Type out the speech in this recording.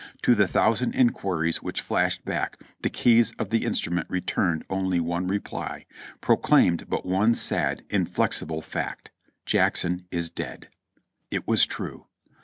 To the thousand inquiries which flashed back, the keys of the instrument returned only one reply ; proclaimed but one sad, inflexible fact : "Jackson is dead." It was true.